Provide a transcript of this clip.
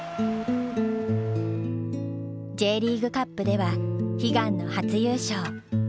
Ｊリーグカップでは悲願の初優勝。